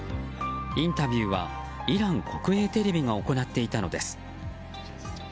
インタビューはイラン国営テレビが行っていたのです。